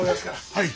はい。